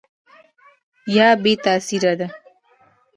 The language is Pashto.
یا بې تاثیره دي ؟